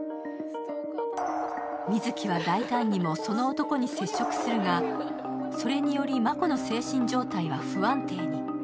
美月は大胆にもその男に接触するがそれにより真子の精神状態は不安定に。